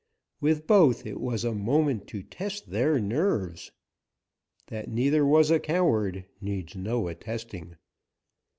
With both it was a moment to test their nerves. That neither was a coward needs no attesting.